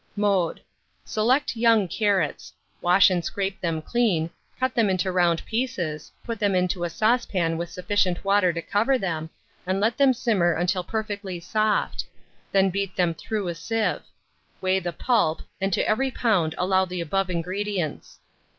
Mode. Select young carrots; wash and scrape them clean, cut them into round pieces, put them into a saucepan with sufficient water to cover them, and let them simmer until perfectly soft; then beat them through a sieve. Weigh the pulp, and to every lb. allow the above ingredients.